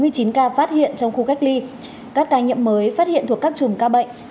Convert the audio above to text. các ca nhiễm mới phát hiện thuộc các chùm ca bệnh